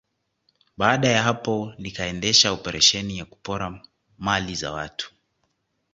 Baada ya hapo likaendesha operesheni ya kupora mali za watu